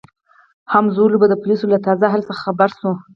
هولمز به د پولیسو له تازه حال څخه خبر شو.